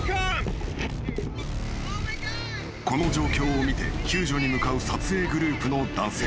［この状況を見て救助に向かう撮影グループの男性］